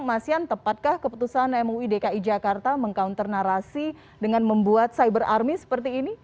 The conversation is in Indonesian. mas yan tepatkah keputusan mui dki jakarta meng counter narasi dengan membuat cyber army seperti ini